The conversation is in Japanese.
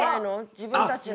自分たちの。